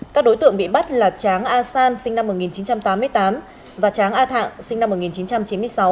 các đối tượng bị bắt là tráng a san sinh năm một nghìn chín trăm tám mươi tám và tráng a thạng sinh năm một nghìn chín trăm chín mươi sáu